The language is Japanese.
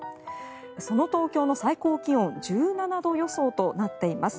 その東京の最高気温１７度予想となっています。